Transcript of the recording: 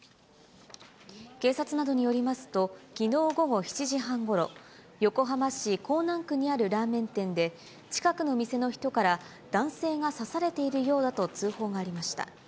警察などによりますと、きのう午後７時半ごろ、横浜市港南区にあるラーメン店で、近くの店の人から、男性が刺されているようだと通報がありました。